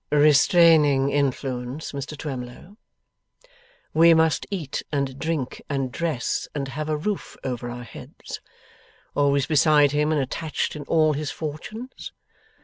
'Restraining influence, Mr Twemlow? We must eat and drink, and dress, and have a roof over our heads. Always beside him and attached in all his fortunes?